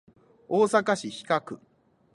大阪市此花区